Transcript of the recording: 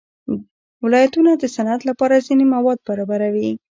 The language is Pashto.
ولایتونه د صنعت لپاره ځینې مواد برابروي.